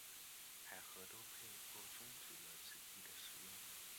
海合都被迫中止了纸币的使用。